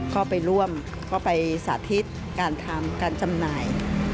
เข้าไปร่วมเข้าไปสาธิตการทำการจำหน่าย